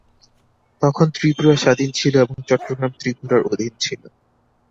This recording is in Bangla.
তখন ত্রিপুরা স্বাধীন ছিল এবং চট্টগ্রাম ত্রিপুরার অধীন ছিল।